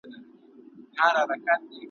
پر خپل ځان باندي پرهېز یې وو تپلی `